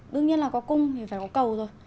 đương nhiên là có cung thì phải có cầu rồi